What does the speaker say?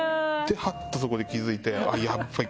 ハッとそこで気付いてヤバい